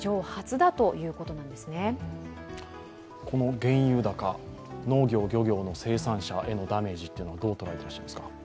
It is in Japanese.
原油高、農業、漁業の生産者へのダメージはどう捉えていますか？